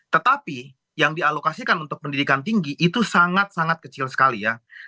tetapi yang dialokasikan untuk pendidikan tinggi itu sangat sangat kecil sekali ya